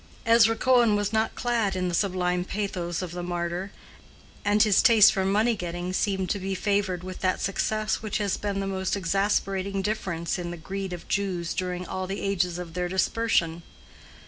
Ezra Cohen was not clad in the sublime pathos of the martyr, and his taste for money getting seemed to be favored with that success which has been the most exasperating difference in the greed of Jews during all the ages of their dispersion.